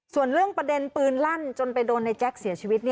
ส่วนเรื่องประเด็นปืนลั่นจนไปโดนในแจ๊คเสียชีวิต